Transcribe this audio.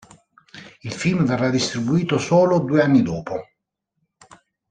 Il film verrà distribuito solo due anni dopo.